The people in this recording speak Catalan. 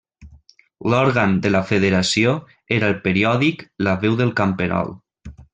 L'òrgan de la federació era el periòdic 'La veu del camperol'.